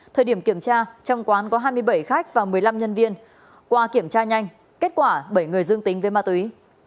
thời điểm kiểm tra trong quán có hai mươi bảy khách và một mươi năm nhân viên qua kiểm tra nhanh kết quả bảy người dương tính với ma túy